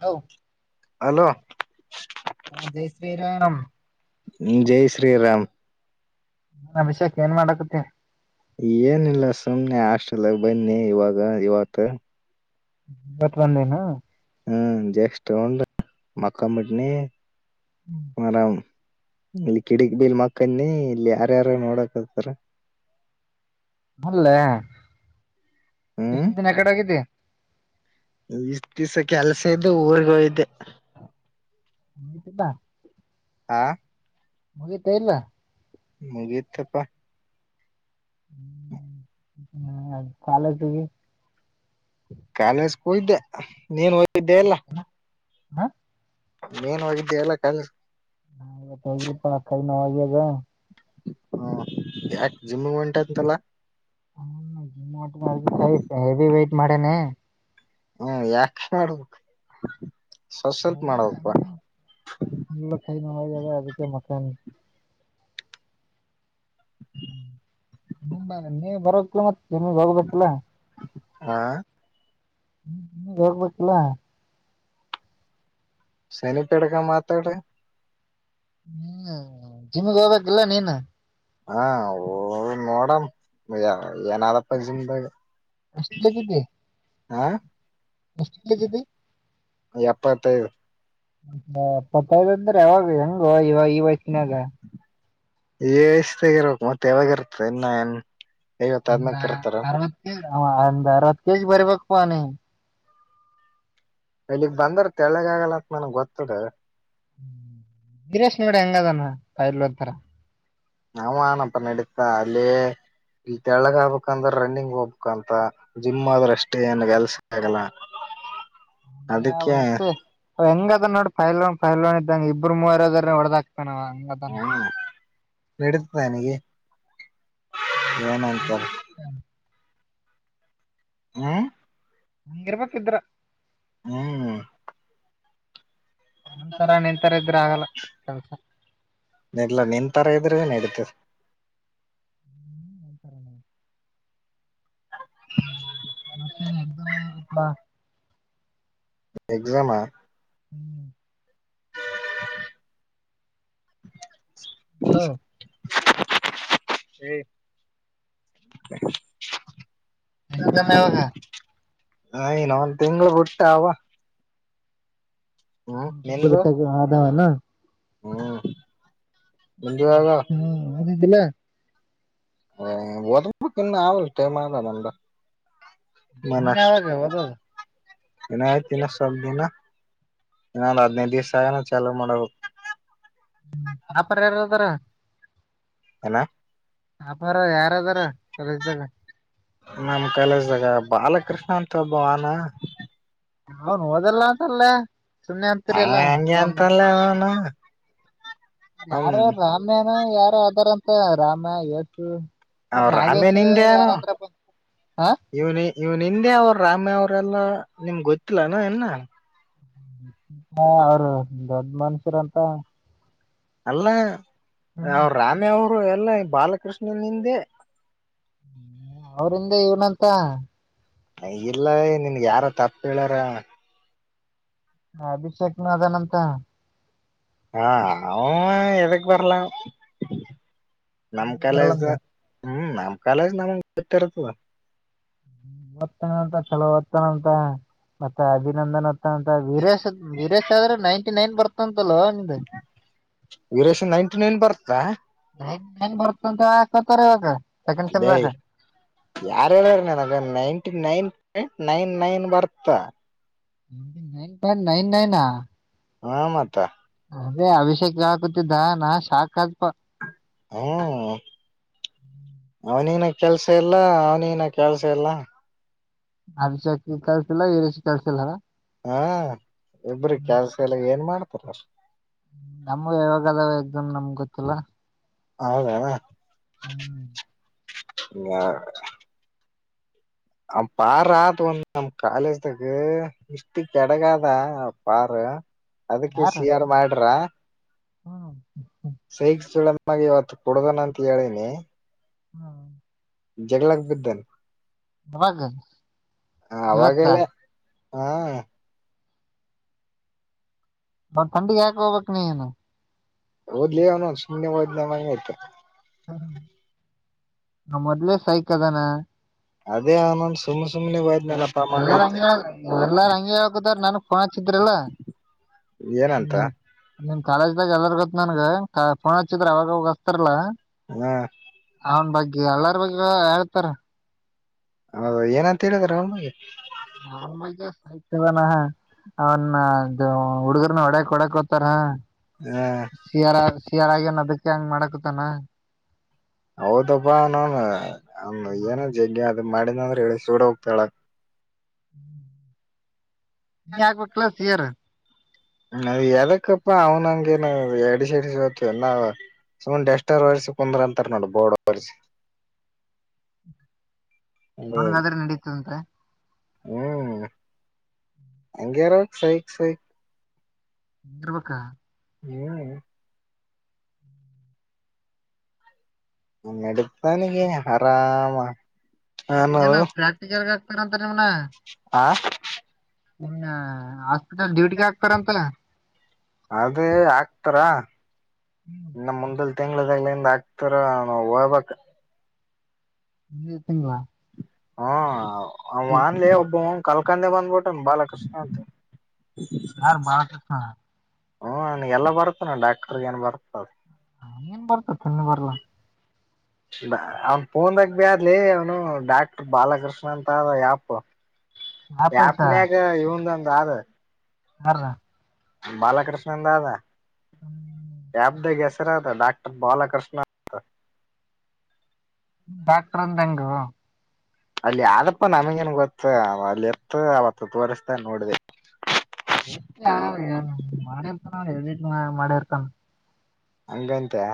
Hello hello ಹ ಜಯ ಶ್ರೀರಾಮ ್ಮ ಜೈ ಶ್ರೀರಾಮ್ ನ ಅಭಿಷೇಕ್ ಏನ್ ಮಾಡಕತ್ತೀನಿ ಏನಿಲ್ಲ ಸುಮ್ಮನೆ ಆಸ್ೆಲ್ ಬನ್ನಿ ಇವಾಗ ಇವತ್ತು ಬತವಂದಂದ ಹ ಹ್ಮ್ ಜೇಸ್ ತಗೊಂಡ ಮಕ್ಕಾ ಮಿಟ್ನಿ ಆರಾಮ್ ಇಲ್ಲಿ ಕಿಡಕ್ ಬೀಲ್ ಮಕ್ಕನ್ನಿ ಇಲ್ಲಿ ಯಾರ್ಯಾರ ನೋಡಕತಾರ ಅಲ್ಲ ಹ್ಮ್ ಎಷ್ಟು ದಿನ ಕಡೆೋಗಿದ್ದ ಇಷ್ಟ್ ದಿವ್ಸ ಕೆಲ್ಸ ಇದ್ದು ಊರ್ಗ ಹೋಯ್ದೆ ನತ ಬಾ ಹಾ ಮುಗತಾ ಇರ್ಲ್ಲ ಮುಗತಪ್ಪ ಹ್ಮ ಕಾಲ ತುಗಿ ಕಾಲಜ ಕಯ್ದೆ ನೀನ್ ಇದ ಎಲ್ಲ ಹ ಮೇನ್ವಾಗಿದ್ದೇ ಎಲ್ಲ ಕ ಹಾತ್ತ ಪಳಕ ನವ ಹ ಹಗ ಹ್ಮ ಯಾಕ ಜಿಮಗ್ ಉಂಟಂತಲ್ಲ ಹ ಜ ಹೆೇವಿ ವೈಟ್ ಮಾಡೆ ಹ್ಮ ಯಾಕ ಮಾಡ್ಬೇಕ ಸ್ವಲ್ ಸ್ವಲ್ಪ ನಲ ಮಾಡ್ಬೇಕಪ್ಪಾ ಅದಕ್ಕೆ ಮಾಥ ನೀ ಬರ ಮತ್ತ ನಿ ಬೋಗದುಲ ಆಾ ಹ್ಮ ರೂಪಾಯಿ ಕಲೋ ಶನಿಪ ಎಡುಕಾ ಮಾತ್ರಡ ಹ್ಮ್ ಜಮೆ ಬಬ ಗಲ್ಲ ನೀನ್ನ ಹಾ ನೋಡಮ ಏನಾದಪ್ಪ ಜಿಮದಾಗ ಅಷ್ಟು ಬಗಿದ್ದೆ ಹಾ ಎಸ್ಟ್ ಗೆದ್ದಿದ್ದಿ ಎಪ್ಪತ್ತೈದು ಪತ್ತದ ಅಂದ್ರ ಯವಾಗ ಹೇಗೊ ಇವಾಗ ಈ ವಯಸ್ನ್ಯಗ. [unintelligible] ಎ ಷ್ಟ ತಗಿರ್ಬೇಕಕ್ ಮತ್ತ ಯಾವಾಗ ಇರ್ತದೆ ಇನ್ನ ಏನ್ ಐವತ್ತು ಆದದ್ಮಕ್ ತರ್ತಾರ ಅವ ಅಂದರತ್ಕಜ ರ್ಬೇಕಕ್ಪಾನಿ. ಇಲ್ಲಿಗ್ ಬಂದ್ರ ತೆಳ್ಳಗ ಆಗಲ್ಲಂತ ನನ್ಗ್ ಗೊತ್ತದ. [unintelligible] ಗಿರಶ್ ನೋಡ್ ಹೆಂಗದನ ಪೈಲ್ವಾನ್ ತರ. ಮಾವನನಪ್ಪ ನಡೀತಾ ಅಲ್ಲಿ ಇಲ್ ತೆಳ್ಳಗ್ ಆಗ್ಬೇಕಂದ್ರ ರನ್ನಿಂಗ್ ಹೋಗ್ಬೇಕಂತ ಜಿಮ್ ಆದ್ರ ಅಷ್ಟೇ ಏನ್ ಕೆಲ್ಸ ಆಗಲ್ಲ [inaudible] ಅದಕ್ಕೆ [unintelligible] ಎಷ್ಟೇ ಹೆಂಗದ ನೋಡಿ ಫೈಲ್ ಫೈಲ್ ಇದ್ದಂಗ ಇಬ್ಬರು ಮೂವರದ್ರ ಹೊಡದಾಕ್ ನವಾ ಅಂಗದನ. ನಡತದೆನಗೆ [unintelligible] ಏನಂತಾರೆ ಹ್ಮ್ ಹಂಗಿರ್ಬೇಕಿದ್ರ ಹ್ಮ್ ನ್ಸರ ನಿಂತರ ಇದ್ರ ಆಗಲ್ಲ ಕೆಲ್ಸ ಇಲ್ಲ ನಿನ್ ತರ ಇದ್ರೆ ಏನ್ ನಡೀತದ ಮತ್ತೇನೆ ಎ್ದನಪ್ಪ ಎಕ್ಸಾಮಾ ಹ್ಮ್ ಹಲೋ [unintelligible] ಏ [unintelligible] [unintelligible] ಎಕ್ಸಾಮ್ ಯಾವಾಗ ನ ಇನ ಒಂದು ತಿಂಗಳು ಬಿುಟ್ಟವಾ ತಿಂಗಲ್ ಬಿಟ್ ಆದದಾವನಾ ಹ್ಮ್ [unintelligible] ನಿಂದ್ಯವಾಗವ ಓದಿದಿಲ ಎ ಓದಬೇಕ್ ಇನ್ನ ಆದಲ ಇನ್ನ ಟೈಮ್ ಆದ ಇನ್ನ್ಯಾವಾಗ ಓದೋದು ಇನಾಯತ್ ಇನ್ನ ಸ್ವಲ್ಪ್ ದಿನ ಇನ್ನೊಂದು ಹದ್ನೈದು ದಿವ್ಸ ಆನ ಚಾಲೂ ಮಾಡ್ಬೇಕ್ ಟಾಪರ್ ಯಾರದರ ಎನ ಟಾಪರ್ಯಾರದಾರ ಕಾಲೇಜ್ ದಗ ನಮ ಕಾಲೇಜಾಗ ಬಾಲಕೃಷ್ಣ ಅಂತ ಒಬ್ಬವಾನ ಅವನ್ ಓದಲ್ಲ ಅಂತ ಅಲ್ಲ ಸುಮ್ಮ್ನೆ ಆ ಅತೀರಿ ಎಲ್ಲ ಹಂಗೆ ಅವನು ಅಂತಲ್ಲ ಅವನು ಯಾರ ಹ್ಮ ರಾಮೇನ ಯಾರ ಅದಾರಂತ ರಾಮ ಯಸು ಅವ ರಾಮೇ ನಿಂದೇನದ ಹ ಇವನ್ ಇವ್ನ್ ಹಿಂದೆ ಅವ್ರ ರಾಮೇ ಅವರೆಲ್ಲಾ ನಿಮ್ ಗೊತ್ತಿಲ್ಲಾನ ಇನ್ನ ಅವರು ದೊಡ್ಡ ಮನುಷ್ಯರಂತ ಅಲ್ಲ ಹ್ಮ್ ಅವ ರಾಮೆ ಅವರು ಎಲ್ಲ ಬಾಲಕೃಷ್ಣನ ಹಿಂದೆ ಹ್ಮ ಅವ್ರಂದ ಇವನಂತ ಇಲ್ಲ ನಿನ್ ಯಾರ ತಪ್ಪ ಹೇಳಾರ ಹ ಅಭಿಷೇಕ್ನದನಂತ ಹಾ ಅವನು ಎದಕ್ ಬರಲ ನಮ್ ಕಾಲೇಜ್ ಬರಲಂದೆ [unintelligible] ಹ್ಮ್ ನಮ್ ಕಾಲೇಜ್ ನಮಗ್ ಗೊತ್ತಿರ್ತದ. ಓದ್ತಾನಂತ ಚಲೋ [unintelligible] ಮತ್ತ ಅಭಿನಂದನ್ ಅತ್ತ ಅಂತ ವೀರೇಶ ವೀರೇಶ್ ಆದ್ರೆ ನೈನ್ಟಿ ನೈನ್ ಬರ್ತಂತ ಲ್ಲ ಹಂದೆ ವೀರೇಶನ್ ನೈನ್ಟಿ ನೈನ್ ಬರ್ತಾ ಬನ್ ಬರ್ತಂತ ಕತಾರೆ ಇಾಗ ಅದೇ ಯಾರ ಹೇಳಾರ ನನಗೆ ನೈನ್ಟಿ ನೈನ್ ನೈನ್ ನೈನ್ ಬರ್ತಾ ನೈನ್ ಪಂ ನೈನ್ ನೈನ್ ಹಾ ಮತ್ತ ಅದೇ ಅಭಿಷೇಕ್ ಹಾಕತಿದ್ದ ನಾ ಶಾಕ್ ಹಪ ಹ್ಮ ಅವನಿನ ಕೆಲ್ಸ ಇಲ್ಲ ಅವನಿನ ಕೆಲ್ಸ ಇಲ್ಲ ಅರ್ಷಕ ಕಳ್ಸಿಲ್ಲ ಈ ರಷಿ ಕಳ್ಸಿಲ್ಲಾರ ಹಾ ಇಬ್ರ ಕೆಲ್ಸ ಎಲ್ಲ ಏನ್ ಮಾಡ್ತಾರಲ್ ನಮ್ಗ ಯಾವಾಗ ಅದಾವ ಎಗದಮ್ ನಮ್ಗ್ ಗೊತ್ತಿಲ್ಲ ಹೌದ ಹ್ಮ್ ಹ ಆ ಪಾರಾದು ಒಂದು ನ್ ಕಾಲೇಜ್ ಇಷ್ಟಿ ಕಡಗಾದಾ ಪಾರ ಅದಕ್ಕೆ ಯಾರು ಸಿಯಾರ ಮಾಡ್ರ ಹ್ಮ್ ಸೈಕ್ ಚ ನಗೆ ಇವತ್ತು ಕುಡುದನ ಅಂತ ಹೇಳೀನಿ ಹಾ ಜೆಗಲಾಕ್ ಬಿದನ್ ಯಾವಾಗ ಇವತ್ತ ಅವಾಗೆಲ್ಲ ಹಾ ಮ ಥಂಡಿಗೆ ಯಾಕ ಹೋಗಬೇಕಕ್ ನೀನು ಹದ ಲೇ ನ ಸುಯವ ನ ಮಾಡತ ಹ ನ ಮೊದಲೇ ಸೈಕ ತಾನ ಅದೇ ಆನನ್ ಸುಮ ಎ ಎಲ್ಲಾರ ಹಂಗಗೆ ಹಗುದಾರ ನನ್ಗ್ ಫೋನ್ ಹಚ್ಚಿದ್ರಲ್ಲ ಏನಂತ ಕಾಲೇಜ್ ದಾಗ ಎದಾರ ಗೊತ್ ನನ್ಗ ಕ ಫೋನ್ ಹಚ್ಚಿದ್ರ ಅವಾಗೋಗಸ್ತಾರಲಾ ಹ ಅವನ್ ಬಗ್ಗೆ ಎಲ್ಲಾರ ಬಗ್ ಹೇಳ್ತಾರ ಹೌದ ಏನಂತ ಹೇಳಿದ್ರ ಅವಮಗೆ ತವಾನ ಅವನ್ನ ಹುಡುಗರ್ನ ಒಡಕ್ ಕೊಡಕ್ ಹತಾರ ಹ ಶಿಯಾರ ಶಿಯಾರಾಗೇನ್ ಅದಕ್ಕೆ ಹೆಂಗ್ ಮಾಡಕತಾನ ಹೌದಪ್ಪಾ ನನ್ ಏನ ಜಜ ಅದು ಮಾಡಿದ್ಂದ್ರೆ ಹೇಳಿ ಸೂಡ ಹೋಗ್ತಾಳ ನೀ ಆಗ್ಬೇಕಲ ಸಯರ್ ಅದು ಎದಕ್ಕಪ್ಪ ಅವನಂಗನ ಅಡಿಸಿ ಅಡಿ ಸತಲ್ಲ ಸಮ ಸ್ರ ರಲ್ಸ ಪೊಂದ್ರ ಅಂತರ ನೋಟ ಬಡ್ ರಲ್ಸ ಹ್ಮ [unintelligible] ನನಗಾದ್ರೆ ನಡೀತದಂ ಹ್ಮ್ ಅಂಗಗೆರೋ ಸೈಕ್ ಸೈಕ್ ನರ್ಬೇಕಕ್ಕ ಹ್ಮ್ ನನ್ನೆಡುತತಾನಗೆ ಆರಾಮಾ ಏನ ಪ್ರಾಕ್ಟಿಕಲ್ ಆಗ್ತಂತ ಆ ಹಾಸ್ಪಿಟಲ್ ಡ್ಯೂಟಿಗೆ ಆಗ್ತರಂತಲ್ಲ ಅದೇ ಆಕ್ತಾರಾ ಇನ್ನು ಮುಂದಲ್ ತಿಂಗಳದಾಗ್ಲಿಂದ ಆಾಕ್ತಾರ ನ ಹೋಗ್ಬ ಮುಂದಿನ ತಿಂಗಳ ಹ್ಮ ಆವ ಆದ್ಲೆ ಒಬ್ಬ ಕಲ್ಕಂದೆ ಬಂದ್ಬಿಟ್ಟನ್ ಬಾಲಕೃಷ್ಣ ಅಂತ ಯಾರು ಬಾಲಕೃಷ್ಣ ಹ್ಮ ಅವನಿಗೆ ಎಲ್ಲಾ ಬರ್ತಾನ ಡಾಕ್ಟರ್ಗ ಏನ್ ಬರುತ್ತೆ ಅದು [unintelligible] ಬರಲ್ಲ ಅವ್ನ್ ಪೋನ್ದಾಗ ಬಾಡ್ಲೆ ಅವ್ನು ಡಾಕ್ಟರ್ ಬಾಲಕೃಷ್ಣ ಅಂತ ಆಪ್ ಯಾಪ ಆಪ್ನಾಗ ಇವಂದೊಂದು ಅದೇ ಯಾರ್ದ ಬಾಲಕೃಷ್ಣನಿಂದು ಅದ ಆಪ್ದಾಗ ಹೆಸರು [unintelligible] ಡಾಕ್ಟರ್ ಬಾಲಕೃಷ್ಣ ಅಂತ ಡಾಕ್ಟರ್ ಅಂದೆಂಗೋ ಅಲ್ಲಿ ಯಾದಪ್ಪ ನಮಗೇನ್ ಗೊತ್ತ ಅಲ್ಲಿ ಇತ್ತು ಅವತ್ತು ತೋಸ್ತಾ ನೋಡಿದೆ [unintelligible] ಮಾಡಿರ್ತಾನ ಅವನು ಎಡಿಟ್ ಮಾಡಿರ್ತಾನ ಹಂಗ್ತಿಯ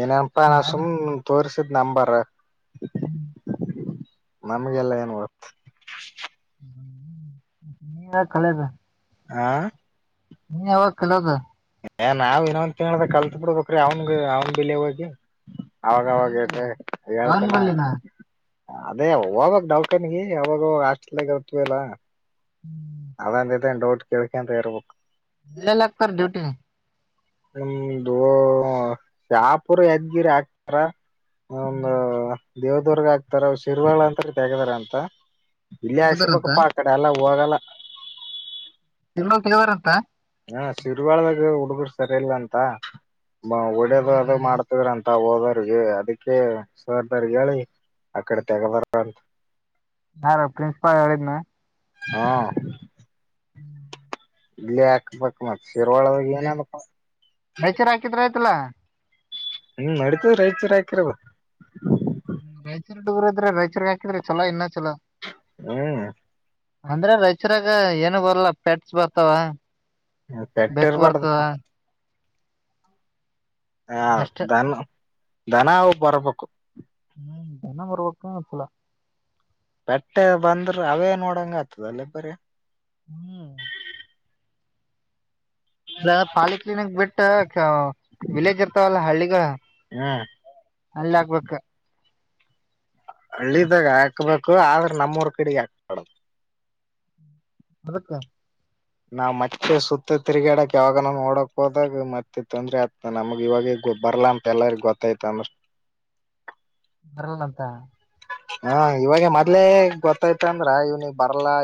ಏನಪ್ಪ ನಾನ್ ಸುಮ್ ತೋರ್ಸಿದ್ ನಂಬರ್ ಹ್ಮ್ ನಮ್ಗೆಲ್ಲ ಏನ್ ಗೊತ್ತು ಇನ್ನ ಕಲಿಯದ್ ಆ ನೀ ಯಾವಾಗ ಕಲಿಯೋದು ಏ ನಾವ್ ಇನ್ನ ಒಂದು ತಿಂಗ್ಳು ಕಲಿತುಬಿಡಬೇಕ್ರಿ ಅವ್ನ ಅವ್ನ್ ಬಿಲೆ ಹೋಗಿ ಅವಾಗವಾಗ ನನ್ ಬಲ್ಲಿ ಅವನ್ ಹೇಳ್ತೇನ ಬಲ್ಲಿನ ಅದೇ ಅವಾಗ ಡೌಟ್ನಿ ಯಾವಾಗ ಹಾಸ್ಪೆಲ್ಗ ಇರ್ತವ ಇಲ್ಲ ಅದಂತ ಡೌಟ್ ಕೇಳಳ್ಕ ಅಂತ ಇರ್ಬೇಕು ಎಲ್ಲಿಯೇಲ್ಲಿ ಅಕ್ತಾರೆ ಡ್ಯೂಟಿ ನಿಮ್ದು ಶಾಪುರ ಯದಗಿರೀ ಹಾಕ್ತಾರಾ ಒಂದು ದೇವದುರ್ಗ ಹಾಕ್ತಾರ ಶಿರ್ವಾಳ ಅಂತ ತೆಗಿದ್ರಂತ ಇಲ್ಲಿ ತೆಗದಾರಂತ ಹಾಕಿಸ್ಕಾಬೇಕಪ್ಪ ಆಕಡೆ ಎಲ್ಲ ಹೋಗಲ್ಲ ಶಿರ್ವಾಳ ತೆಗಿದರಂತ ಹಾ ಶಿರ್ವಾಳದಾಗ ಹುಡುಗರು ಸರಿ ಇಲ್ ಅಂತ ಹೊಡೆದು ಅದು ಹುಡುಗರಲ್ಲಿ ಮಾಡ್ತವ್ರಂತ ಹೋದರ್ಗ ಅದಕ್ಕೆ ಸರ್ ಗೆ ಹೇಳಿ ಅಕಡೆ ತೆಗದಾರ ಅಂತ ಯಾರ್ ಪ್ರಿನ್ಸಿಪಲ್ ಹೇಳಿದ್ನ ಹಾ [inaudible] ಇಲ್ಲಿ ಹಾಕಬೇಕ್ ಮತ್ತ್ ಶೀರ್ವಾಳದಾಗ ಏನಪ್ಪ ರಾಯಚೂರ್ ಹಾಕಿದ್ರ ಆಯ್ತಲ್ಲಾ ಹ್ಮ ನಡೀತದ ರೈಚೂರು ಹಾಕಿರವು ಹುಡುಗ್ರು ಇದ್ರೆ ರಾಯಚೂರಿಗೆ ಹಾಕಿದ್ರೆ ಚಲೋ ಇನ್ನ ಹ್ಮ್ ಅಂದ್ರ ರೈಚೂರ್ ಆಗ ಏನು ಬರ್ಲ್ಲ ಪೆಟ್ಸ್ ಬರ್ತಾವ ಪೆಟ್ಟ ಬೆಕ್ಕು ಬರ್ತವ ಇರ್ಬಾರ್ದಪ್ಪಾ ಹಾ ಅಷ್ಟೇ ದನ್ ದನ ಅವು ಬರ್ಬೇಕು ಹ್ಮ ದನವ ಬರ್ಬೇಕು [unintelligible] ಪೇಟ್ಟೆ ಬಂದ್ರ ಅವೇ ನೋಡಂಗ ಆಗ್ತದಲ್ಲೇ ಬರಿ ಹ್ಮ್ ಪಾಲಿಕ್ಲಿನಿಕ್ ಬಿಟ್ಟ ವಿಲೇಜ್ ಇರ್ತಾವಲ್ಲ ಹಳ್ಳಿಗಳು ಹ್ಮ್ ಅಲ್ ಹಾಕಬೇಕು ಹಳ್ಳಿದಾಗ ಹಾಕ್ಬೇಕು ಆದ್ರೆ ನಮ್ಮೂರ್ ಕಡೆಗೆ ಹಾಕಬರ್ದು ಯದಕ್ಕ ನಾವ್ ಮತ್ತೆ ಸುತ್ತ ತಿರುಗಾಡಕ್ ಯಾವಾಗನ ನೋಡಕ್ ಹೋದಾಗ ಮತ್ತೆ ತೊಂದ್ರೆ ಆತ್ ನಮ್ಗ್ ಇವಾಗ ಬರ್ಲಾಅಂತ ಎಲ್ಲರಿ ಗೊತ್ತಾಯ್ತ ಅಂದ್ರೆ ಬರಲ್ಲಂತ ಹಾ ಇವಾಗ ಮೊದ್ಲೆೇ ಗೊತ್ತಾಯ್ತ ಅಂದ್ರ ಇವ್ನಿ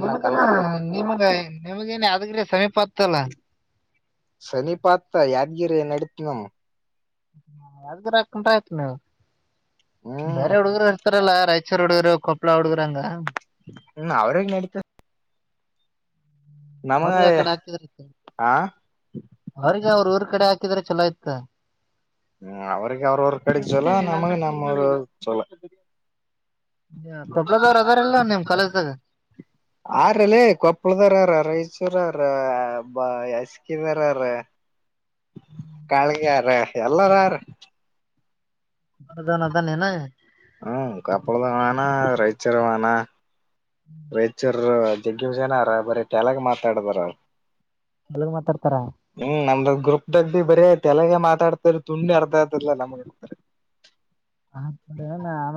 ನಿಮಗ ನಿಮಗ ನಿಮಗೇನ ಆದಗ್ರೆ ಸಮೀಪ ಆತಲ್ಲ ಸನಿ ಪಾತ ಯಾದಗರೇ ನಡತನಂ [unintelligible] ಹ್ಮ್ ಬೇರೆ ಹುಡುಗರು ಇರ್ತಾರಲ್ಲ ರಾಯಚೂರ್ ಹುಡ್ಗರು ಕೊಪ್ಪಳ ಹುಡ್ಗರುಂಗ ಹ್ಮ್ ಅವ್ರಗ್ ನಡೀತ ನಮಗ ಅವ್ರಿಗೆ ಆ ಕಡೆ ಹಾಕಿದ್ರ ಆ ಅವ್ರಿಗೆ ಅವ್ರ ಊರ್ ಕಡೆ ಹಾಕ ಿದ ಚಲೋ ಇತ್ತ ಹ್ಮ ಅವ್ರಿಗೆ ಅವ್ರವ ಕಡೆಗೆ ಚೊಲ ನಮಗೆ ನಮ್ಮ ಚಲ ಕೊಪ್ಳದವ್ರ ಅದಾರಲ್ಲ ನಿಮ್ ಕಾಲೇಜ್ದಾಗ ಆರಲ್ಲೇ ಕೊಪ್ಪಳದಾರಾರ ರೈ ರ ಅವ್ರ ಅಸ್ಕನ್ಾರ ಅವ್ರ ಕಾಳಗೆಾರ ಎಲ್ಲಾರ ಯಾರು ಅದನ್ ಅದನ್ನ ಹ್ಮ್ ಕಪ್ಪಳದ ವಣ ರೈಚರ ವಣ ರೈಚೂರ್ ಜಗ್ಗಿಷನಾರ ಬರೀ ಟ್ಯಾಲಾಗ ಮಾತಾಡದಾರ ಎಲ್ಲಗ ಮಾತಾಡ್ತಾರ ಗ್ರರುಪ್ ದಾಗ ಭ ಬಿ ಬರಿ ಯತೆ ಎಲ್ಲಗೆ ಮಾತಾಡ್ತಾರೆ ತುಂಡಿ ಅರ್ಧ ಆತಲ್ಲ ನಮರ್ತಾರೆ ಹ ಹ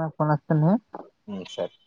ಆ ಕ ಆತ ಹ ಹ್ಮ್ ಸರಿ